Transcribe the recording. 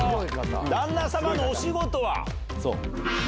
旦那様のお仕事は？